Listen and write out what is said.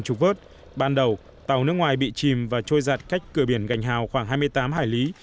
trục vớt ban đầu tàu nước ngoài bị chìm và trôi giặt cách cửa biển gành hào khoảng hai mươi tám hải lý